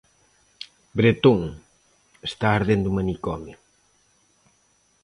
"Bretón, está ardendo o manicomio."